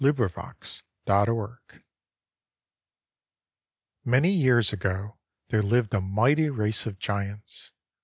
THE GIANT MAIDEN Many years ago there lived a mighty race of giants.